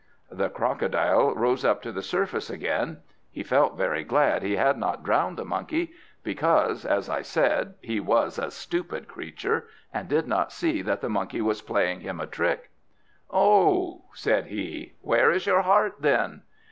The Crocodile rose up to the surface again. He felt very glad he had not drowned the Monkey, because, as I said, he was a stupid creature, and did not see that the Monkey was playing him a trick. "Oh," said he, "where is your heart, then?"